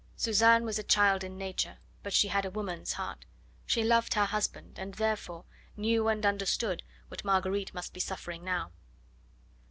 Suzanne was a child in nature, but she had a woman's heart. She loved her husband, and, therefore, knew and understood what Marguerite must be suffering now.